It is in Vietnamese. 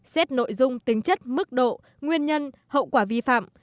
xét nội dung tính chất mức độ nguyên nhân hậu quả vi phạm